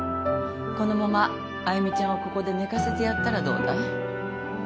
このまま愛魅ちゃんをここで寝かせてやったらどうだい？